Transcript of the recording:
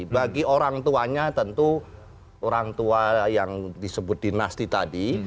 bagi orang tuanya tentu orang tua yang disebut dinasti tadi